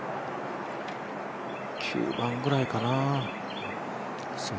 ９番ぐらいかな。